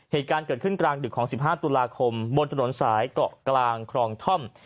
เหตุการณ์เกิดขึ้นกลางดึกของ๑๕ตุลาคมบนถนนสายเกาะกลางครองท่อม